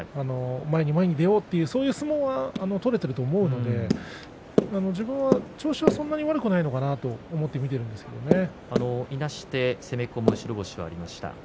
前に前に出ようという相撲は取れていると思うので自分は、調子はそんなに悪くないのかなと思っていなして攻め込む白星がありました。